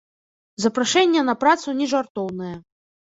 Запрашэнне на працу нежартоўнае.